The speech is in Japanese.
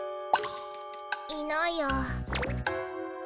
いないや。